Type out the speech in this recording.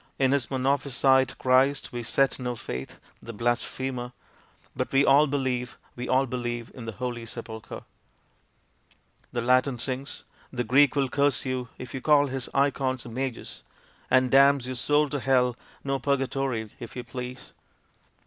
In his Monophysite Christ we set no faith, the blasphemer! But we all believe, we all believe, in the Holy Sepulchre! The Latin sings The Greek will curse you if you call his Ikons images, And damns your soul to Hell no purgatory, if you please!